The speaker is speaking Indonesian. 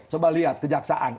coba lihat kejaksaan